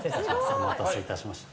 お待たせいたしました。